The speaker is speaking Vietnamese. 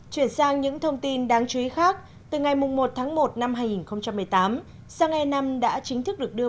chuyển sang những thông tin đáng chú ý khác từ ngày một một hai nghìn một mươi tám xăng e năm đã chính thức được đưa